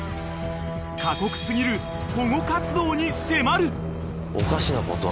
［過酷過ぎる保護活動に迫る］